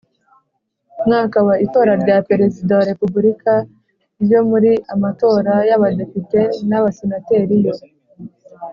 Mwaka wa itora rya perezida wa repubulika ryo muri amatora y abadepite n abasenateri yo